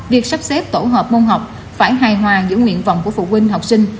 việc sắp xếp tổ hợp môn học phải hài hoàng giữa nguyện vọng của vụ huynh học sinh